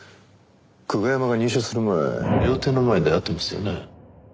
久我山が入社する前料亭の前で会ってますよね？